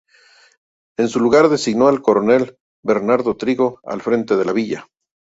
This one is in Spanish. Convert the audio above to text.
En su lugar designó al coronel Bernardo Trigo al frente de la villa.